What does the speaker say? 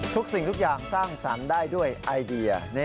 สิ่งทุกอย่างสร้างสรรค์ได้ด้วยไอเดีย